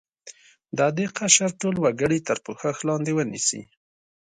د دې قشر ټول وګړي تر پوښښ لاندې ونیسي.